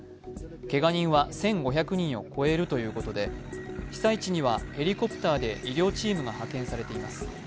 けが人は１５００人を超えるということで、被災地にはヘリコプターで医療チームが派遣されています。